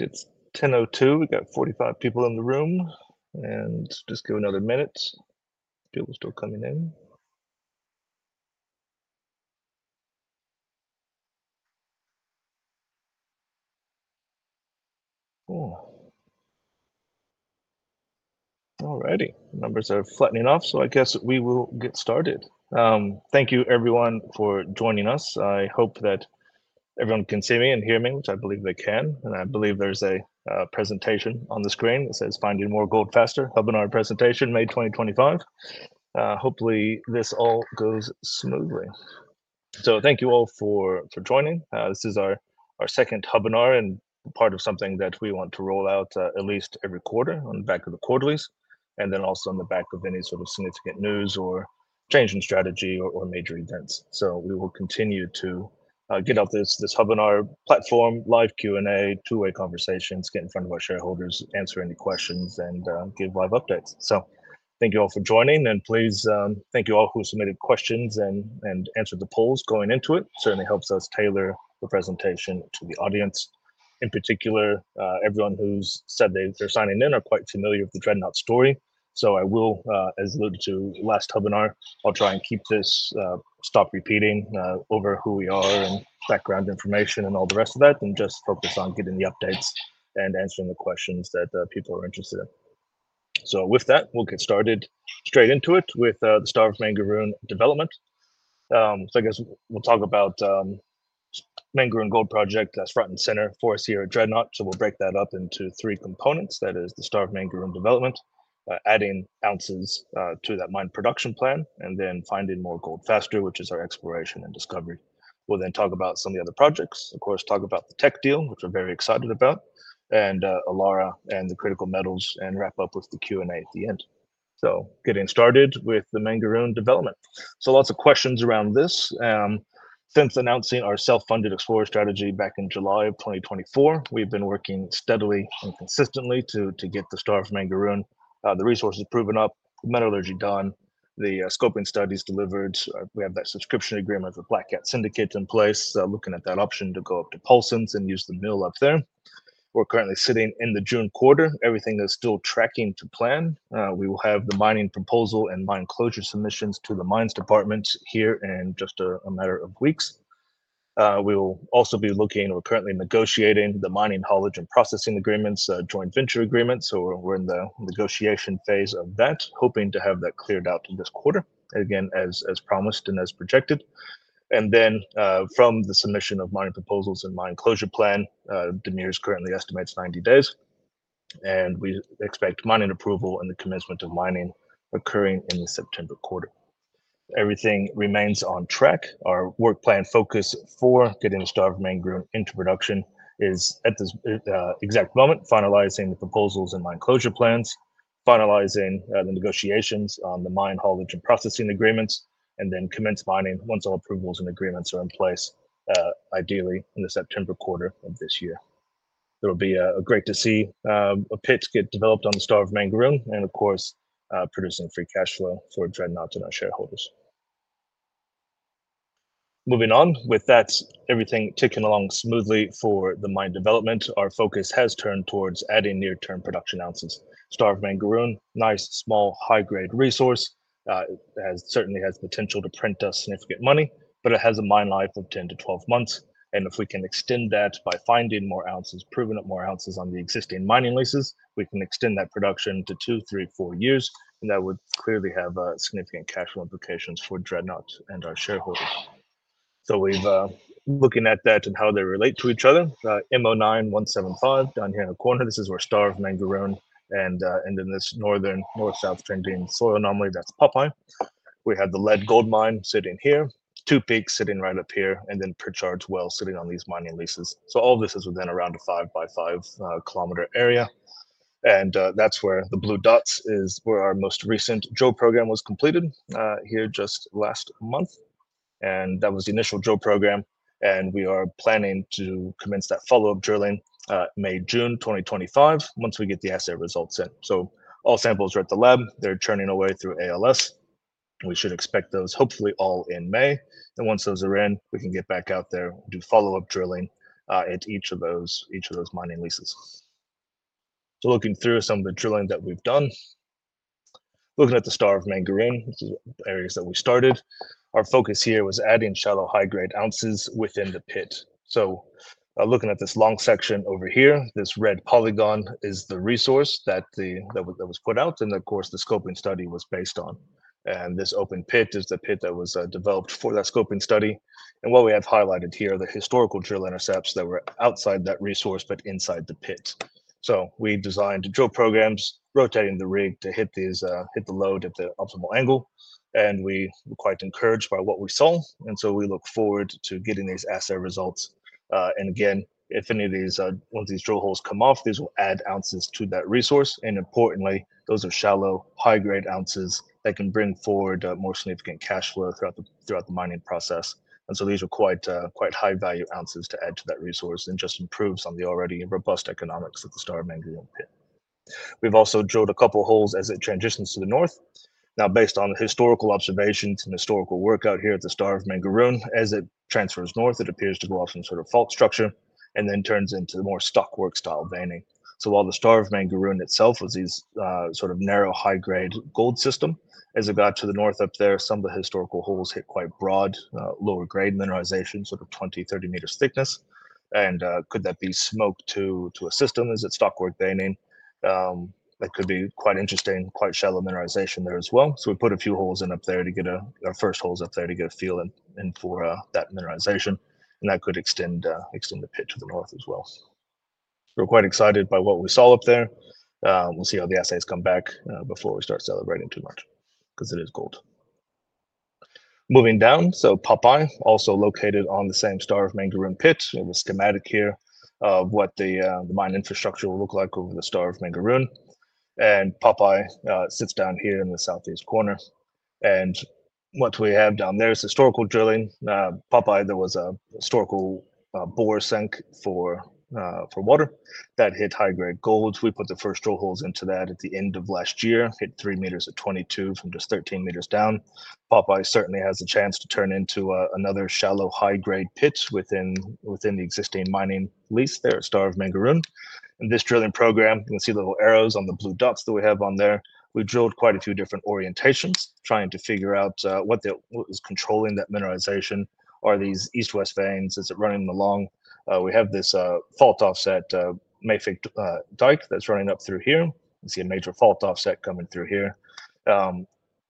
It is 10:02. We have 45 people in the room and will just give another minute. People are still coming in. Alrighty. Numbers are flattening off, so I guess we will get started. Thank you everyone for joining us. I hope that everyone can see me and hear me, which I believe they can, and I believe there is a presentation on the screen that says "Finding More Gold Faster Hubinar Presentation May 2025." Hopefully this all goes smoothly. Thank you all for joining. This is our second Hubinar and part of something that we want to roll out at least every quarter on the back of the quarterlies and then also on the back of any sort of significant news or change in strategy or major events. We will continue to get off this hub on our platform, live Q and A, two-way conversations, get in front of our shareholders, answer any questions, and give live updates. Thank you all for joining, and thank you all who submitted questions and answered the polls going into it. Certainly helps us tailor the presentation to the audience. In particular, everyone who said they're signing in are quite familiar with the Dreadnought story. As alluded to last webinar, I'll try and keep this, stop repeating over who we are and background information and all the rest of that, and just focus on getting the updates and answering the questions that people are interested in. With that, we'll get started straight into it with the Star of Mangaroon development. I guess we'll talk about Mangaroon gold project. That's front and center for us here at Dreadnought. We'll break that up into three components. That is the Star of Mangaroon development, adding ounces to that mine production plan, and then finding more gold faster, which is our exploration and discovery. We'll then talk about some of the other projects, of course, talk about the Teck deal, which we're very excited about, and Alara and the critical metals, and wrap up with the Q and A at the end. Getting started with the Mangaroon development, there are lots of questions around this. Since announcing our self-funded explorer strategy back in July of 2024, we've been working steadily and consistently to get the Star of Mangaroon, the resources proven up, metallurgy done, the scoping studies delivered. We have that subscription agreement with Black Cat Syndicate in place looking at that option to go up to Paulsens and use the mill up there. We're currently sitting in the June quarter. Everything is still tracking to plan. We will have the mining proposal and mine closure submissions to the mines department here in just a matter of weeks. We will also be looking. We're currently negotiating the mining haulage and processing agreements, joint venture agreements. We're in negotiation phase of that, hoping to have that cleared out this quarter again as promised and as projected. From the submission of mining proposals and mine closure plan, DME currently estimates 90 days. We expect mining approval and the commencement of mining occurring in the September quarter. Everything remains on track. Our work plan focus for getting the Star of Mangaroon into production is at this exact moment finalizing the proposals and mine closure plans, finalizing the negotiations on the mine haulage and processing agreements, and then commence mining. Once all approvals and agreements are in place, ideally in the September quarter of this year, it will be great to see a pit get developed on the Star of Mangaroon and of course producing free cash flow for Dreadnought and our shareholders. Moving on with that, everything ticking along smoothly for the mine development, our focus has turned towards adding near term production ounces. Star of Mangaroon, nice small high grade resource, certainly has potential to print us significant money, but it has a mine life of 10 to 12 months. If we can extend that by finding more ounces, proving it more ounces on the existing mining leases, we can extend that production to two, three, four years. That would clearly have significant cash flow implications for Dreadnought and our shareholders. We have been looking at that and how they relate to each other. M09175 down here in the corner, this is where Star of Mangaroon is, and in this northern north-south trending soil anomaly, that's Popeye. We have the Lead Mine sitting here, Two Peaks sitting right up here, and then Perchards Well sitting on these mining leases. All this is within around a 5 by 5 kilometer area. That's where the blue dots are, where our most recent drill program was completed here just last month. That was the initial drill program, and we are planning to commence that follow-up drilling May-June 2025 once we get the assay results in. All samples are at the lab, they're churning away through ALS. We should expect those hopefully all in May, and once those are in, we can get back out there and do follow-up drilling at each of those mining leases. Looking through some of the drilling that we've done, looking at the Star of Mangaroon areas that we started, our focus here was adding shallow high-grade ounces within the pit. Looking at this long section over here, this red polygon is the resource that was put out. Of course, the scoping study was based on that. This open pit is the pit that was developed for that scoping study. What we have highlighted here are the historical drill intercepts that were outside that resource but inside the pit. We designed drill programs rotating the rig to hit the lode at the optimal angle. We were quite encouraged by what we saw. We look forward to getting these assay results. If any of these drill holes come off, these will add ounces to that resource. Importantly, those are shallow, high-grade ounces that can bring forward more significant cash flow throughout the mining process. These are quite high-value ounces to add to that resource. It just improves on the already robust economics of the Star of Mangaroon pit. We have also drilled a couple holes as it transitions to the north. Now, based on historical observations and historical work out here at the Star of Mangaroon, as it transfers north, it appears to go off some sort of fault structure and then turns into more stockwork style veining. While the Star of Mangaroon itself was these sort of narrow high grade gold systems, as it got to the north up there, some of the historical holes hit quite broad lower grade mineralization, sort of 20-30 meters thickness. Could that be smoke to a system? Is it stockwork veining? That could be quite interesting. Quite shallow mineralization there as well. We put a few holes in up there to get our first holes up there to get a feel for that mineralization. That could extend the pit to the north as well. We're quite excited by what we saw up there. We'll see how the assays come back before we start celebrating too much. Because it is gold moving down. Popeye also located on the same Star of Mangaroon pit. The schematic here of what the mine infrastructure will look like over the Star of Mangaroon. Popeye sits down here in the southeast corner. What we have down there is historical drilling. Popeye, there was a historical bore sink for water that hit high grade gold. We put the first drill holes into that at the end of last year. Hit 3 meters at 22 from just 13 meters down. Popeye certainly has a chance to turn into another shallow high grade pit within the existing mining lease there at Star of Mangaroon. In this drilling program, you can see little arrows on the blue dots that we have on there. We drilled quite a few different orientations trying to figure out what was controlling that mineralization. Are these east-west veins as it running along? We have this fault offset mafic dike that's running up through here. You see a major fault offset coming through here.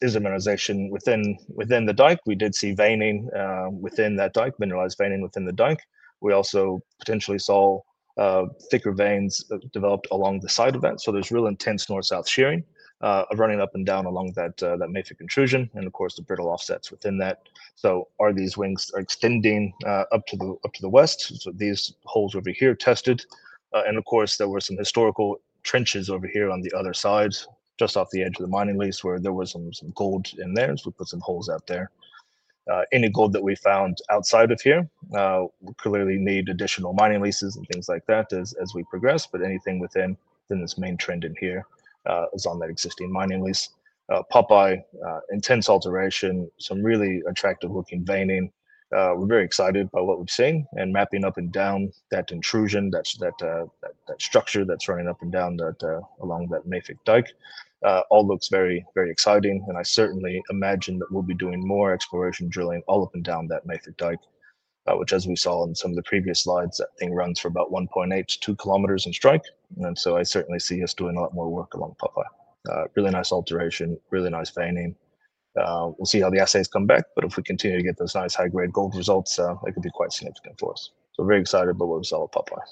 Is the mineralization within the dike? We did see veining within that dike, mineralized veining within the dike. We also potentially saw thicker veins developed along the side of that. There is real intense north-south shearing running up and down along that mafic intrusion. Of course, the brittle offsets within that. Are these wings extending up to the west? These holes over here tested, and of course there were some historical trenches over here on the other side, just off the edge of the mining lease where there was some gold in there. We put some holes out there. Any gold that we found outside of here clearly needs additional mining leases and things like that as we progress. Anything within this main trend in here is on that existing mining lease. Popeye, intense alteration, some really attractive looking veining. We're very excited by what we've seen and mapping up and down that intrusion. That is that structure that's running up and down along that mafic dike. All looks very, very exciting. I certainly imagine that we'll be doing more exploration drilling all up and down that mafic dike, which as we saw in some of the previous slides, runs for about 1.8-2 kilometers in strike. I certainly see us doing a lot more work along Popeye. Really nice alteration, really nice veining. We'll see how the assays come back. If we continue to get those nice high-grade gold results, it could be quite significant for us. Very excited about what we saw at Popeye.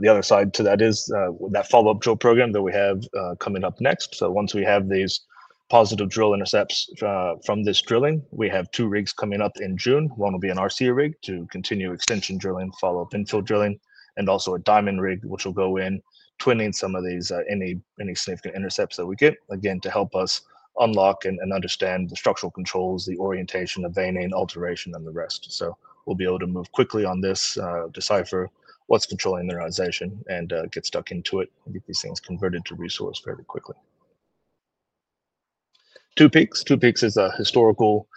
The other side to that is that follow-up drill program that we have coming up next. Once we have these positive drill intercepts from this drilling, we have two rigs coming up in June. One will be an RC rig to continue extension drilling, follow-up infill drilling, and also a diamond rig which will go in twinning some of these. Any significant intercepts that we get again to help us unlock and understand the structural controls, the orientation of veining, alteration, and the rest. We will be able to move quickly on this, decipher what is controlling the organization, and get stuck into it and get these things converted to resource fairly quickly. Two Peaks. Two Peaks is a historical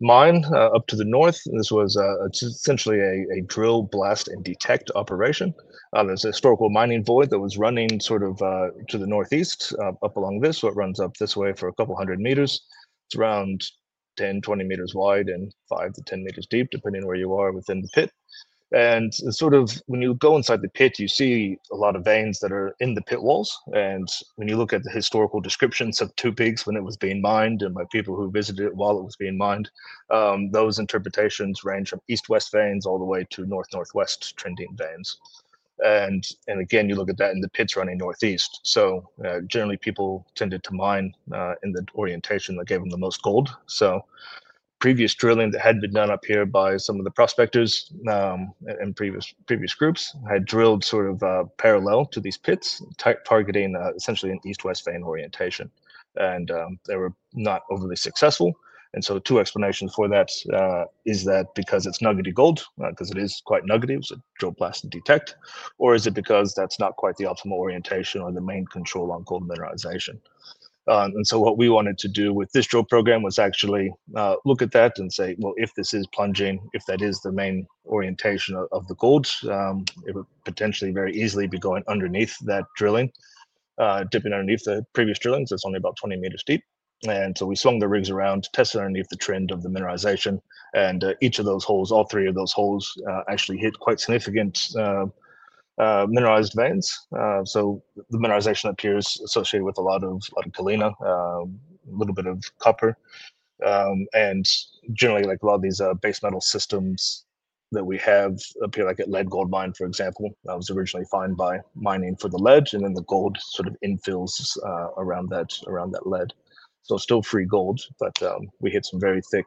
mine up to the north. This was essentially a drill blast and detect operation. There is a historical mining void that was running sort of to the northeast up along this. It runs up this way for a couple hundred meters. It is around 10-20 meters wide and 5-10 meters deep, depending where you are within the pit. When you go inside the pit, you see a lot of veins that are in the pit walls. When you look at the historical descriptions of Two Peaks when it was being mined and by people who visited it while it was being mined, those interpretations range from east-west veins all the way to north-northwest trending veins. You look at that and the pit is running northeast. Generally, people tended to mine in the orientation that gave them the most gold. Previous drilling that had been done up here by some of the prospectors and previous groups had drilled sort of parallel to these pits, targeting essentially an east-west vein orientation. They were not overly successful. Two explanations for that: is that because it is nuggety gold, because it is quite nuggety drill plastic detect, or is it because that is not quite the optimal orientation or the main control on gold mineralization? What we wanted to do with this drill program was actually look at that and say, if this is plunging, if that is the main orientation of the lodes, it would potentially very easily be going underneath that drilling, dipping underneath the previous drillings. It is only about 20 meters deep. We swung the rigs around, tested underneath the trend of the mineralization, and each of those holes, all three of those holes actually hit quite significant mineralized veins. The mineralization appears associated with a lot of galena, a little bit of copper. Generally, like a lot of these base metal systems that we have, it appears like a lead gold mine, for example, that was originally found by mining for the lead. The gold sort of infills around that, around that lead. Still free gold. We hit some very thick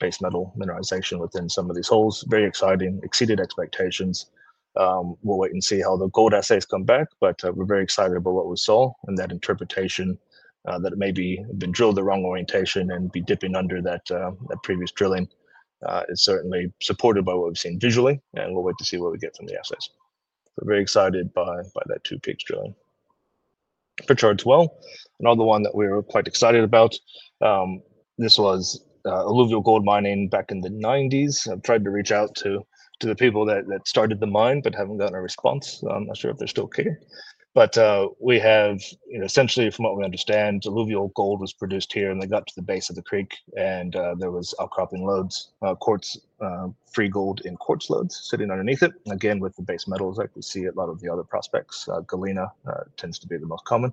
base metal mineralization within some of these holes. Very exciting. Exceeded expectations. We will wait and see how the gold assays come back. We are very excited about what we saw. That interpretation that maybe been drilled the wrong orientation and be dipping under that previous drilling is certainly supported by what we've seen visually. We'll wait to see what we get from the assays. Very excited by that. Two Peaks drilling for Perchards Well, another one that we were quite excited about, this was alluvial gold mining back in the 1990s. I've tried to reach out to the people that started the mine, but haven't gotten a response. I'm not sure if they're still kicking. We have essentially, from what we understand, alluvial gold was produced here. They got to the base of the creek and there was outcropping lodes, quartz free gold in quartz lodes sitting underneath it. Again, with the base metals that we see at a lot of the other prospects, galena tends to be the most common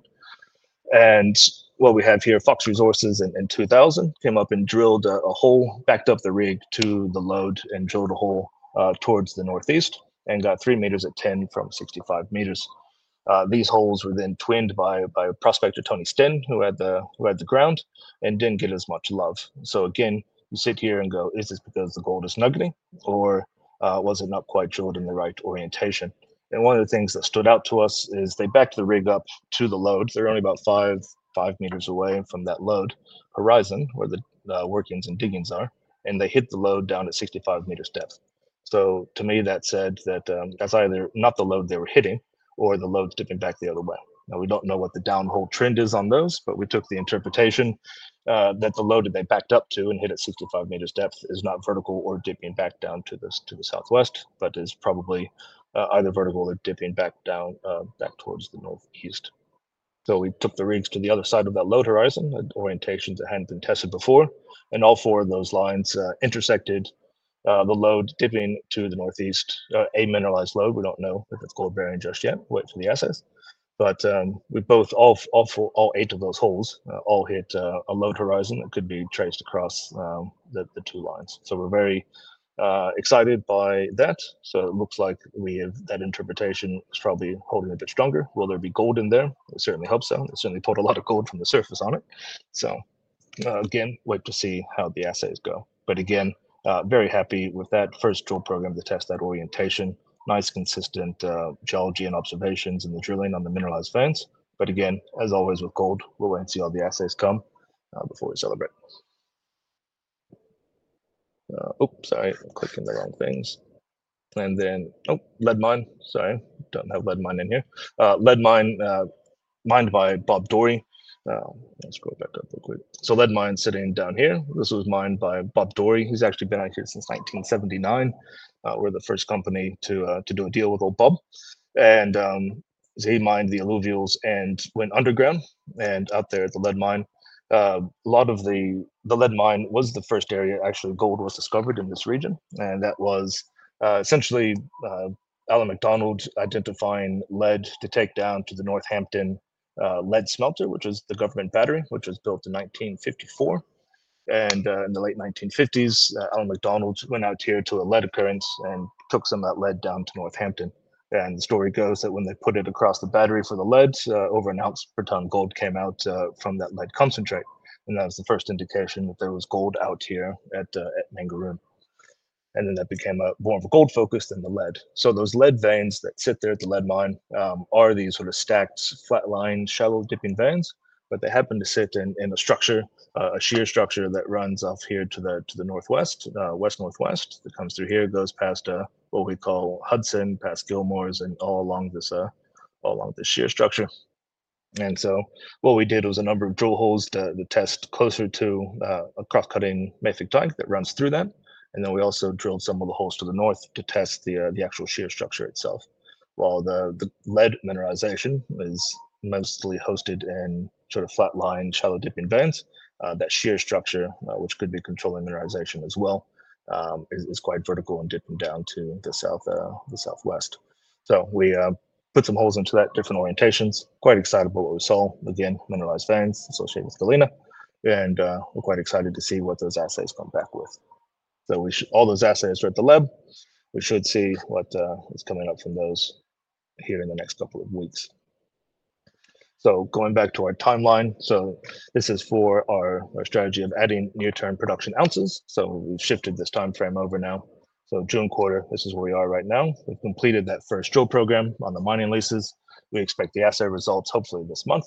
and what we have here. Fox Resources in 2000 came up and drilled a hole, backed up the rig to the lode and drilled a hole towards the northeast and got 3 meters at 10 from 65 meters. These holes were then twinned by prospector Tony Sten who had the ground and did not get as much love. You sit here and go, is this because the gold is nuggeting or was it not quite drilled in the right orientation? One of the things that stood out to us is they backed the rig up to the lode. They are only about five, five meters away from that lode horizon where the workings and diggings are. They hit the lode down at 65 meters depth. To me that said that is either not the lode they were hitting or the lode dipping back the other way. Now we don't know what the downhole trend is on those, but we took the interpretation that the lode that they backed up to and hit at 65 meters depth is not vertical or dipping back down to the southwest, but is probably either vertical or dipping back down back towards the northeast. We took the rigs to the other side of that lode horizon at orientations that hadn't been tested before. All four of those lines intersected the lode dipping to the northeast, a mineralized lode. We don't know if it's gold bearing just yet. Wait for the assays. All eight of those holes all hit a lode horizon that could be traced across the two lines. We are very excited by that. It looks like we have that interpretation is probably holding a bit stronger. Will there be gold in there? We certainly hope so. It certainly put a lot of gold from the surface on it. Again, wait to see how the assays go. Again, very happy with that first drill program to test that orientation. Nice consistent geology and observations and the drilling on the mineralized vents. Again, as always with gold, we'll wait and see how the assays come before we celebrate. Oops, sorry. Clicking the wrong things and then oh, Lead Mine. Sorry, do not have Lead Mine in here. Lead Mine mined by Bob Dorey. Let's go back up real quick. Lead Mine sitting down here. This was mined by Bob Dorey. He's actually been out here since 1979. We're the first company to do a deal with old Bob. He mined the alluvials and went underground. Out there at the Lead Mine, a lot of the Lead Mine was the first area actually gold was discovered in this region. That was essentially Alan McDonald identifying lead to take down to the Northampton lead smelter, which is the government battery, which was built in 1954. In the late 1950s, Alan McDonald went out here to a lead occurrence and took some of that lead down to Northampton. The story goes that when they put it across the battery for the lead, over an ounce per ton gold came out from that lead concentrate. That was the first indication that there was gold out here at Mangaroon. That became more of a gold focus than the lead. Those lead veins that sit there at the Lead Mine are these sort of stacked, flat-lying, shallow-dipping veins. They happen to sit in a structure, a shear structure that runs off here to the northwest, west, northwest, that comes through here, goes past what we call Hudson, past Gilmores and all along this shear structure. What we did was a number of drill holes to test closer to a cross cutting mafic dike that runs through that. We also drilled some of the holes to the north to test the actual shear structure itself. While the lead mineralization is mostly hosted in sort of flat lying, shallow dipping veins, that shear structure, which could be controlling mineralization as well, is quite vertical and dipping down to the southwest. We put some holes into that, different orientations. Quite excited about what we saw, again mineralized veins associated with Galena. We are quite excited to see what those assays come back with. All those assays are at the lab. We should see what is coming up from those here in the next couple of weeks. Going back to our timeline, this is for our strategy of adding near term production ounces. We have shifted this time frame over now. June quarter, this is where we are right now. We completed that first drill program on the mining leases. We expect the assay results hopefully this month.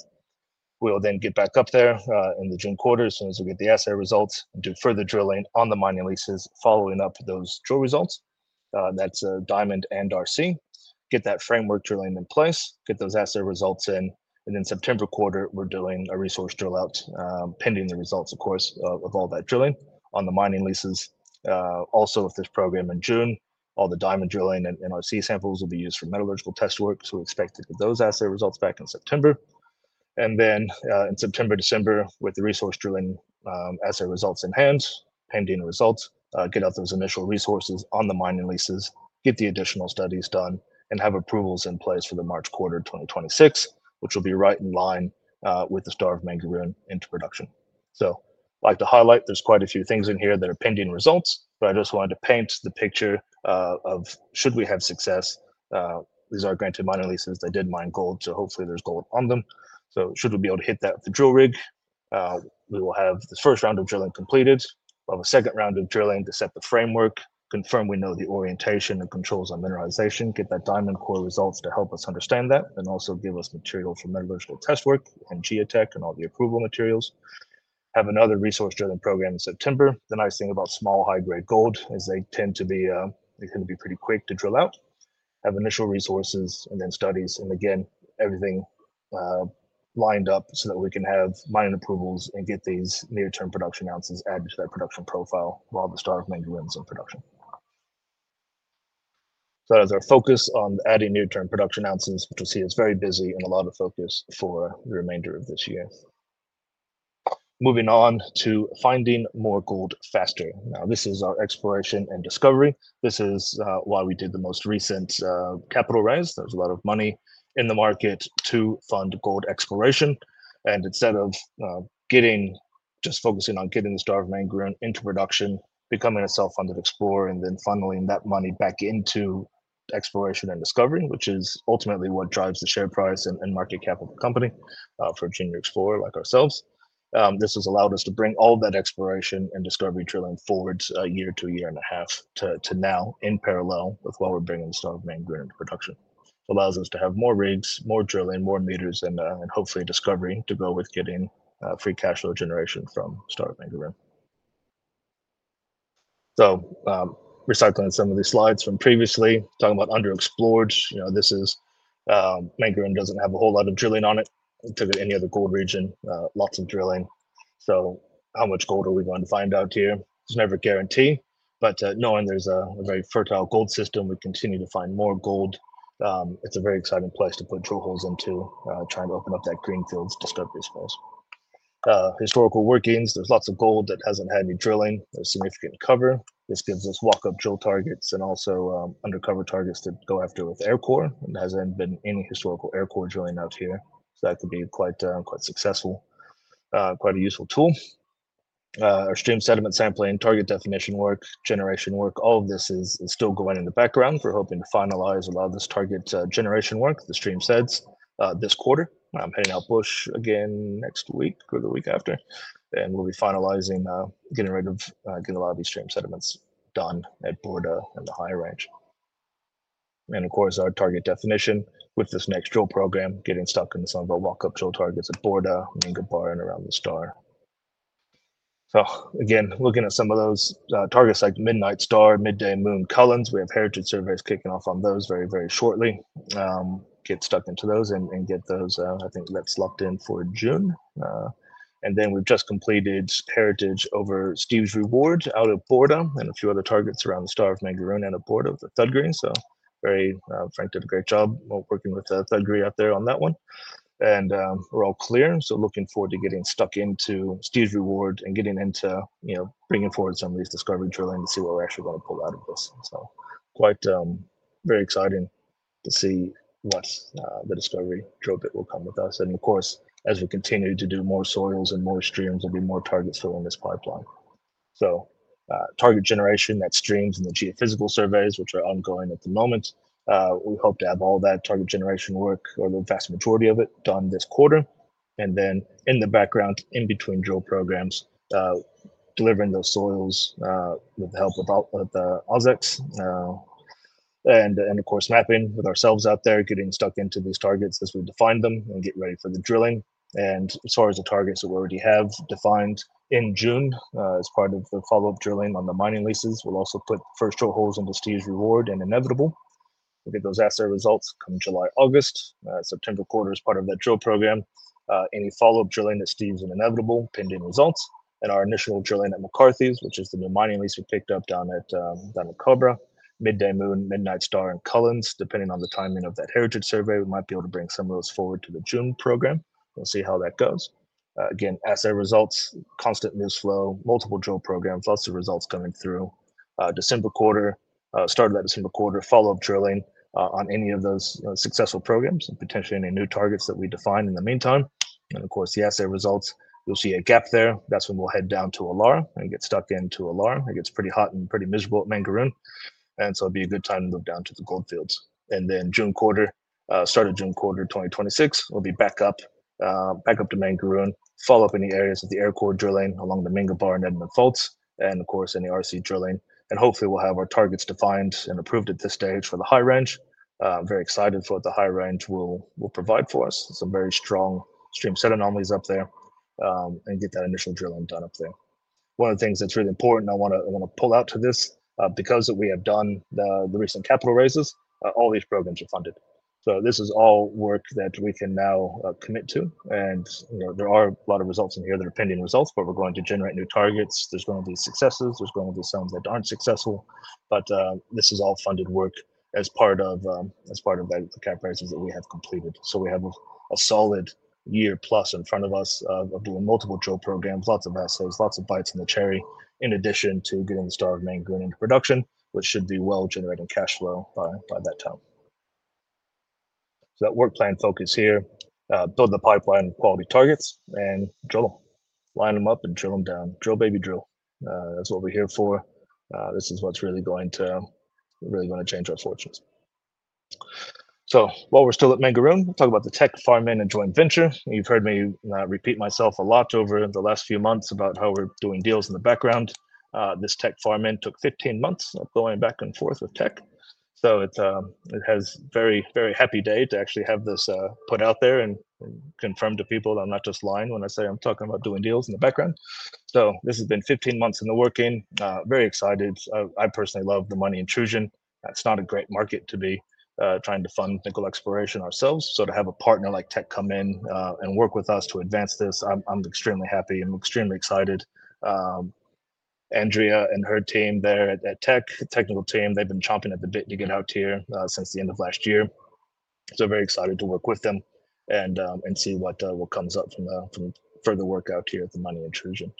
We will then get back up there in the June quarter as soon as we get the assay results and do further drilling on the mining leases following up those drill results. That is diamond and RC, get that framework drilling in place, get those assay results in. In September quarter we are doing a resource drill out pending the results of all that drilling on the mining leases. Also with this program in June, all the diamond drilling and RC samples will be used for metallurgical test work. We expect to get those assay results back in September and then in September, December, with the resource drilling assay results in hand, pending results, get out those initial resources on the mining leases, get the additional studies done and have approvals in place for the March quarter 2026 which will be right in line with the Star of Mangaroon into production. I would like to highlight, there are quite a few things in here that are pending results but I just wanted to paint the picture of should we have success. These are granted mining leases, they did mine gold, so hopefully there is gold on them. Should we be able to hit that with the drill rig, we will have the first round of drilling completed, we'll have a second round of drilling to set the framework, confirm we know the orientation and controls on mineralization, get that diamond core results to help us understand that and also give us material for metallurgical test work and geotech and all the approval materials. Have another resource driven program in September. The nice thing about small high grade gold is they tend to be pretty quick to drill out, have initial resources and then studies and again everything lined up so that we can have mining approvals and get these near term production ounces added to that production profile while the Star of Mangaroon is in production. As our focus is on adding near term production ounces, which you'll see is very busy and a lot of focus for the remainder of this year, moving on to finding more gold faster, now this is our exploration and discovery. This is why we did the most recent capital raise. There's a lot of money in the market to fund gold exploration and instead of just focusing on getting the Star of Mangaroon into production, becoming a self funded explorer and then funneling that money back into exploration and discovery, which is ultimately what drives the share price and market capital company for a junior explorer like ourselves. This has allowed us to bring all that exploration and discovery drilling forward a year to a year and a half to now in parallel with what we're bringing startup Mangaroon into production. It allows us to have more rigs, more drilling, more meters, and hopefully discovery to go with getting free cash flow generation from startup Mangaroon. Recycling some of these slides from previously, talking about underexplored, you know, this is Mangaroon, doesn't have a whole lot of drilling on it. To any other gold region, lots of drilling. How much gold are we going to find out here? There's never a guarantee, but knowing there's a very fertile gold system, we continue to find more gold. It's a very exciting place to put drill holes into. Trying to open up that greenfields to scope this place, historical workings. There's lots of gold that hasn't had any drilling. There's significant cover. This gives us walk up drill targets and also undercover targets to go after with air core. There hasn't been any historical air core drilling out here, so that could be quite, quite successful. Quite a useful tool. Our stream sediment sampling target definition work, generation work, all of this is still going in the background for hoping to finalize a lot of this target generation work. The stream sets this quarter. I'm heading out bush again next week or the week after, and we'll be finalizing getting a lot of these stream sediments done at Borda and the High Range. Of course, our target definition with this next drill program, getting stuck in some of our walk up drill targets at Borda, Minga Bar, and around the Star. Again, looking at some of those targets like Midnight Star, Midday Moon, Cullens. We have Heritage surveys kicking off on those very, very shortly. Get stuck into those and get those, I think, locked in for June. Then we've just completed Heritage over Steve's Reward out at Borda and a few other targets around the Star of Mangaroon and at Borda, the Thug Green. So, very, Frank did a great job working with Thuggery out there on that one, and we're all clear. Looking forward to getting stuck into Steve's Reward and getting into, you know, bringing forward some of these discovery drilling to see what we're actually going to pull out of this. Quite very exciting to see what the discovery drill bit will come with us. Of course as we continue to do more soils and more streams, there will be more targets filling this pipeline. Target generation, that is streams and the geophysical surveys which are ongoing at the moment. We hope to have all that target generation work or the vast majority of it done this quarter. In the background, in between drill programs, delivering those soils with the help of Ozecs and mapping with ourselves out there getting stuck into these targets as we define them and get ready for the drilling. As far as the targets that we already have defined in June, as part of the follow-up drilling on the mining leases, we will also put first drill holes in Steve's Reward and inevitable, we will get those assay results come July, August, September quarter as part of that drill program. Any follow up drilling that Steve's inevitable pending results and our initial drilling at McCarthy's, which is the new mining lease we picked up down at Cobra, Midday Moon, Midnight Star, and Cullens. Depending on the timing of that heritage survey, we might be able to bring some of those forward to the June program. We'll see how that goes. Again, assay results, constant news flow, multiple drill programs, lots of results coming through December quarter, start of that December quarter, follow up drilling on any of those successful programs and potentially any new targets that we define in the meantime. Of course, the assay results, you'll see a gap there. That's when we'll head down to Alara and get stuck into Alara. It gets pretty hot and pretty miserable at Mangaroon and so it'll be a good time to move down to the gold fields. The June quarter started, June quarter 2026 we'll be back up to Mangaroon. Follow up any areas of the air core drilling along the Minga Bar and Edmond faults and of course any RC drilling and hopefully we'll have our targets defined and approved at this stage for the High Range. Very excited for the High Range, it will provide for us some very strong stream sediment anomalies up there and get that initial drilling done up there. One of the things that's really important, I want to pull out to this because we have done the recent capital raises, all these programs are funded. This is all work that we can now commit to and there are a lot of results in here that are pending results but we're going to generate new targets. There's going to be successes, there's going to be some that aren't successful. This is all funded work as part of the CapEx that we have completed. We have a solid year plus in front of us of doing multiple drill programs. Lots of assays, lots of bites in the cherry in addition to getting the Star of Mangaroon into production, which should be well generating cash flow by that time. That work plan focus here, build the pipeline quality targets and drill them, line them up and drill them down. Drill baby, drill. That's what we're here for. This is what's really going to change our fortunes. While we're still at Mangaroon, talk about the Teck farm-in and joint venture. You've heard me repeat myself a lot over the last few months about how we're doing deals in the background. This Teck farm-in took 15 months of going back and forth with Teck. It is a very, very happy day to actually have this put out there and confirm to people I'm not just lying when I say I'm talking about doing deals in the background. This has been 15 months in the working. Very excited. I personally love the Monya Intrusion. It's not a great market to be trying to fund nickel exploration ourselves. To have a partner like Teck come in and work with us to advance this, I'm extremely happy. I'm extremely excited. Andrea and her team there at Teck, technical team, they've been chomping at the bit to get out here since the end of last year. Very excited to work with them and see what comes up from further work out here at the Monya Intrusion.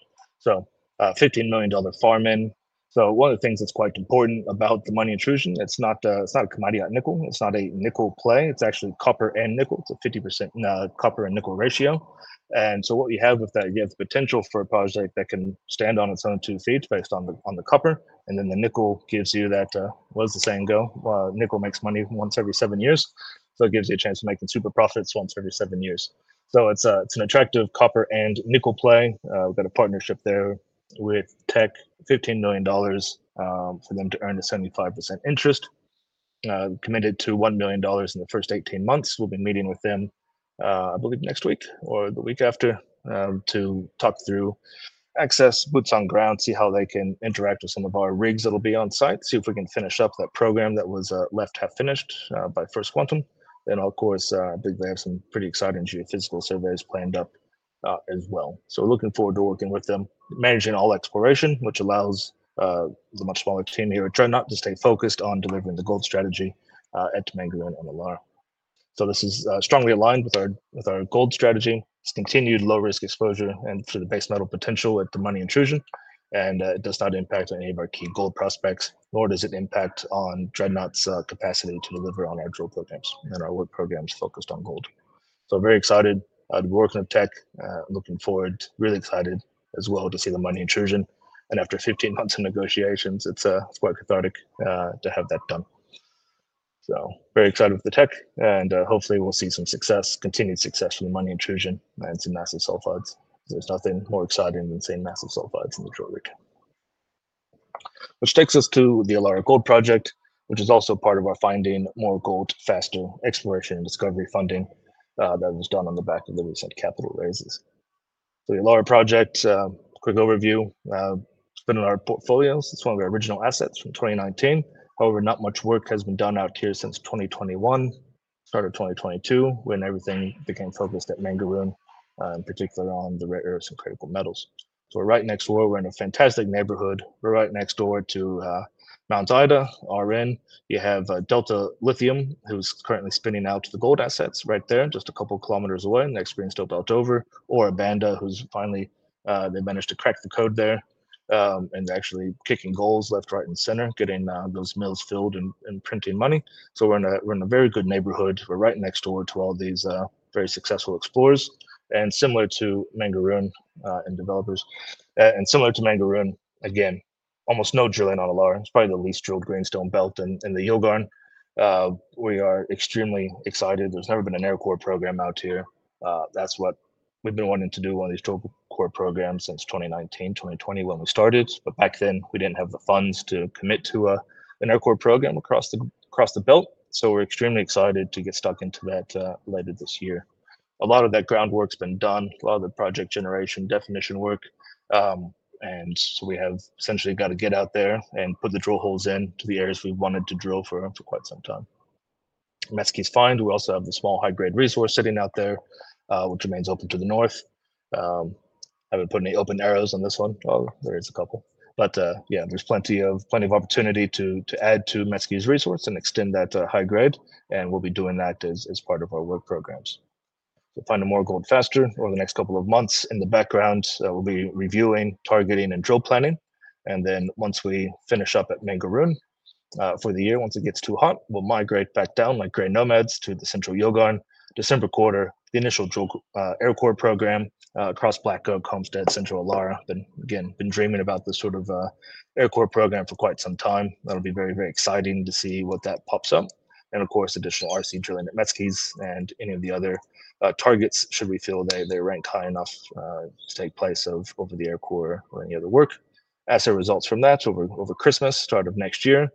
$15 million farm-in. One of the things that's quite important about the Monya Intrusion, it's not a commodity nickel, it's not a nickel play. It's actually copper and nickel. It's a 50% copper and nickel ratio. What you have with that, you have the potential for a project that can stand on its own two feet based on the copper. The nickel gives you that, what does the saying go, nickel makes money once every seven years. It gives you a chance to make the super profits once every seven years. It's an attractive copper and nickel play. We've got a partnership there with Teck. $15 million for them to earn a 75% interest, committed to $1 million in the first 18 months. We'll be meeting with them, I believe next week or the week after to talk through access, boots on ground, see how they can interact with some of our rigs that'll be on site, see if we can finish up that program that was left half finished by First Quantum. I think they have some pretty exciting geophysical surveys planned up as well. Looking forward to working with them, managing all exploration, which allows the much smaller team here at Dreadnought to stay focused on delivering the gold strategy at Mangaroon and MLR. This is strongly aligned with our gold strategy. It's continued low risk exposure and through the base metal potential at the Monya Intrusion. It does not impact any of our key gold prospects, nor does it impact on Dreadnought's capacity to deliver on our drill programs and our work programs focused on gold. Very excited to be working with Teck. Looking forward. Really excited as well to see the Monya Intrusion. After 15 months of negotiations, it is quite cathartic to have that done. Very excited with Teck and hopefully we will see some success, continued success from the Monya Intrusion and some massive sulfides. There is nothing more exciting than seeing massive sulfides in the short rig. This takes us to the Alara gold project, which is also part of our finding more gold, faster exploration and discovery funding that was done on the back of the recent capital raises. The Alara project, quick overview, has been in our portfolios. It is one of our original assets from 2019. However, not much work has been done out here since 2021, start of 2022 when everything became focused at Mangaroon, in particular on the rare earth's incredible metals. We are right next door. We are in a fantastic neighborhood. We are right next door to Mount Ida. Right now you have Delta Lithium, who is currently spinning out the gold assets right there just a couple kilometers away. Next greenstone belt over, or abandoned, who has finally managed to crack the code there and actually is kicking goals left, right, and center, getting those mills filled and printing money. We are in a very good neighborhood. We are right next door to all these very successful explorers and developers, similar to Mangaroon. Again, almost no drilling on Alara. It is probably the least drilled greenstone belt in the Yilgarn. We are extremely excited. There's never been an air core program out here. That's what we've been wanting to do on these tropical core programs since 2019, 2020 when we started. Back then we didn't have the funds to commit to an air core program across the belt. We're extremely excited to get stuck into that later this year. A lot of that groundwork's been done, a lot of the project generation definition work. We have essentially got to get out there and put the drill holes in to the areas we wanted to drill for quite some time. Metzkes Find. We also have the small high-grade resource sitting out there which remains open to the north. Haven't put any open arrows on this one. There is a couple but yeah there's plenty of opportunity to add to Metzkes resource and extend that high grade and we'll be doing that as part of our work programs finding more gold faster over the next couple of months. In the background we'll be reviewing targeting and drill planning and then once we finish up at Mangaroon for the year. Once it gets too hot, we'll migrate back down like gray nomads to the Central Yilgarn. December quarter, the initial air core program across Black Oak, Homestead, Central Alara. Again, been dreaming about this sort of air core program for quite some time. That'll be very, very exciting to see what that pops up. Of course, additional RC drilling at Metzkies and any of the other targets, should we feel they rank high enough, will take place over the air core or any other work as assay results from that over Christmas and the start of next year.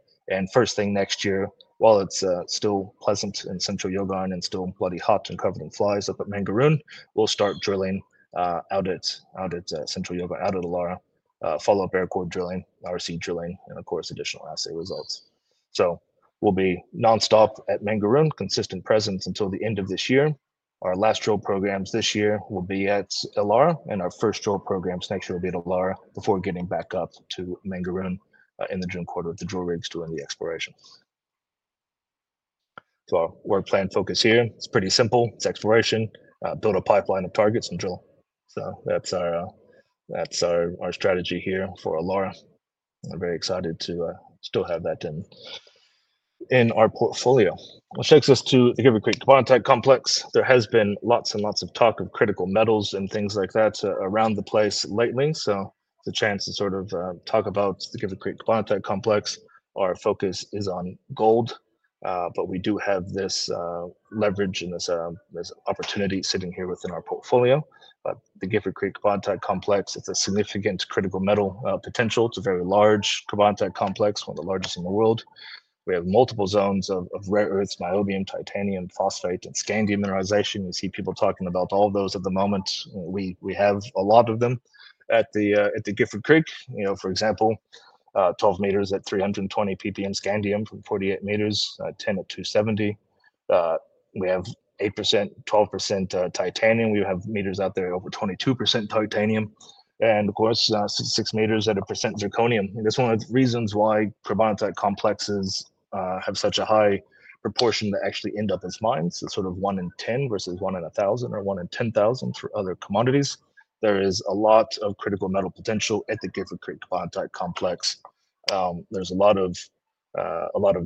First thing next year, while it's still pleasant in Central Yilgarn and still bloody hot and covered in flies up at Mangaroon, we'll start drilling out at Central Yilgarn out at Alara. Follow-up air core drilling, RC drilling, and of course additional assay results. We'll be nonstop at Mangaroon, consistent presence until the end of this year. Our last drill programs this year will be at Alara and our first drill programs next year will be at Alara before getting back up to Mangaroon in the June quarter with the drill rigs doing the exploration. Our work plan focus here is split pretty simple. It's exploration, build a pipeline of targets and drill. That's our strategy here for Alara. I'm very excited to still have that in our portfolio, which takes us to the Gifford Creek complex. There has been lots and lots of talk of critical metals and things like that around the place lately. The chance to sort of talk about the Gifford Creek carbonatite complex, our focus is on gold. We do have this leverage and this opportunity sitting here within our portfolio. The Gifford Creek complex, it's a significant critical metal potential. It's a very large carbonatite complex, one of the largest in the world. We have multiple zones of rare earths, niobium, titanium, phosphate, and scandium mineralization. You see people talking about all those at the moment. We have a lot of them at the Gifford Creek, for example, 12 meters at 320 ppm scandium from 48 meters, 10 at 270. We have 8%, 12% titanium. We have meters out there over 22% titanium and of course 6 meters at a percent zirconium. That's one of the reasons why carbonatite complexes have such a high proportion that actually end up as mines. It's sort of one in ten versus one in a thousand or one in ten thousand for other commodities. There is a lot of critical metal potential at the Gifford Creek type complex. There's a lot of